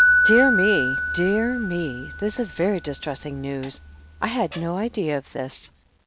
"Dear me, dear me. This is very distressing news. I had no idea of this.